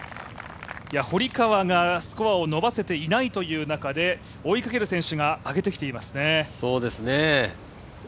堀川がスコアを伸ばせていないという中で追いかける選手が上げてきていますね。